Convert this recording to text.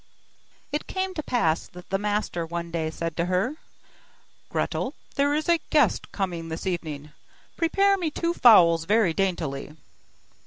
It came to pass that the master one day said to her: 'Gretel, there is a guest coming this evening; prepare me two fowls very daintily.